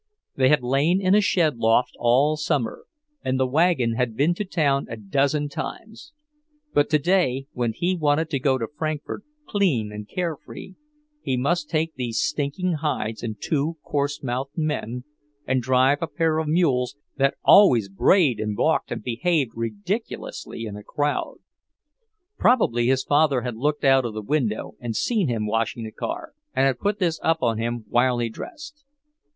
They had lain in a shed loft all summer, and the wagon had been to town a dozen times. But today, when he wanted to go to Frankfort clean and care free, he must take these stinking hides and two coarse mouthed men, and drive a pair of mules that always brayed and balked and behaved ridiculously in a crowd. Probably his father had looked out of the window and seen him washing the car, and had put this up on him while he dressed.